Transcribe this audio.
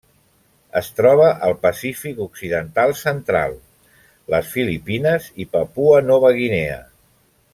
Es troba al Pacífic occidental central: les Filipines i Papua Nova Guinea.